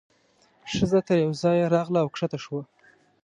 ښځه تر یوه ځایه راغله او کښته شوه.